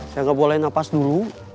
saya gak boleh nafas dulu